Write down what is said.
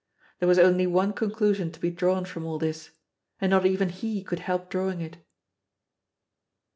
There was only one conclusion to be drawn from all this, and not even he could help drawing it.